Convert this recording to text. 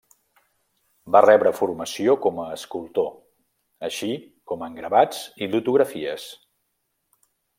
Va rebre formació com a escultor, així com en gravats i litografies.